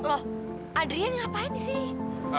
loh adrian ngapain sih